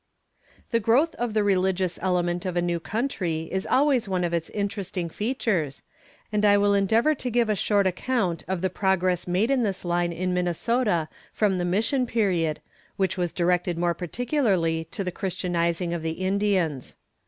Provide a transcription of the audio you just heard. The growth of the religious element of a new country is always one of its interesting features, and I will endeavor to give a short account of the progress made in this line in Minnesota from the mission period, which was directed more particularly to the Christianizing of the Indians.